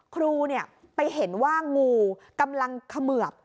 ครูไปเห็นว่างูกำลังเขมือบ